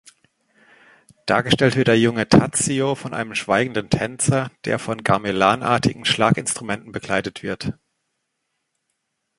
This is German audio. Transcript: Dargestellt wird der Junge Tadzio von einem schweigenden Tänzer, der von Gamelan-artigen Schlaginstrumenten begleitet wird.